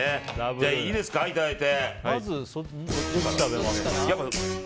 いいですか、いただいて。